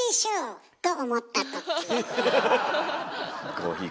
コーヒー。